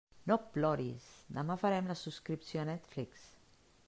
No ploris, demà farem la subscripció a Netflix.